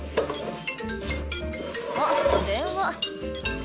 「あっ電話」